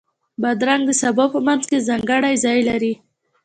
بادرنګ د سبو په منځ کې ځانګړی ځای لري.